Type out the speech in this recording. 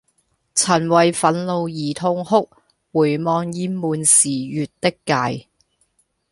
曾為憤怒而痛哭回望厭悶時越的界